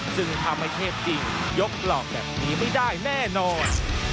ซึ่งทำให้เทพจริงยกหลอกแบบนี้ไม่ได้แน่นอน